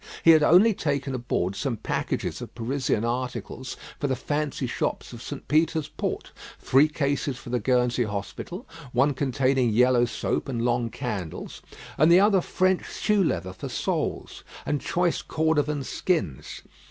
He had only taken aboard some packages of Parisian articles for the fancy shops of St. Peter's Port; three cases for the Guernsey hospital, one containing yellow soap and long candles, and the other French shoe leather for soles, and choice Cordovan skins.